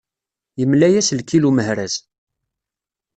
Yemmela-yas lkil umehraz.